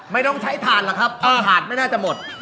ไม่ต้องใช้ฐานล่ะครับผัวฐานไม่น่าจะหมด